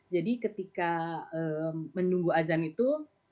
jadi ketika menunggu azan itu